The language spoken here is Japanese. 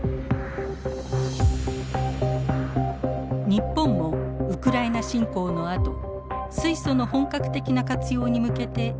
日本もウクライナ侵攻のあと水素の本格的な活用に向けて動き出しています。